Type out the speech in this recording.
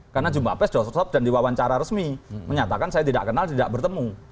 karena jum'at pes dostok dostok dan diwawancara resmi menyatakan saya tidak kenal tidak bertemu